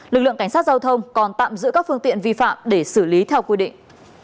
lực lượng cảnh sát giao thông còn tạm giữ các phương tiện vi phạm để xử lý theo quy định